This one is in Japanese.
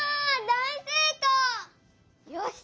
よし！